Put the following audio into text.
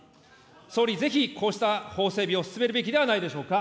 総理、ぜひこうした法整備を進めるべきではないでしょうか。